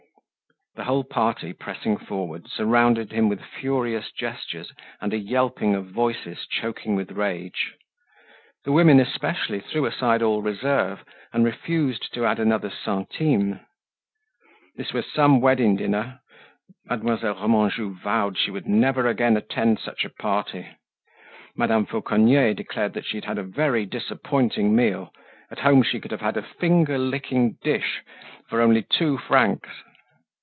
The whole party, pressing forward, surrounded him with furious gestures and a yelping of voices choking with rage. The women especially threw aside all reserve, and refused to add another centime. This was some wedding dinner! Mademoiselle Remanjou vowed she would never again attend such a party. Madame Fauconnier declared she had had a very disappointing meal; at home she could have had a finger licking dish for only two francs.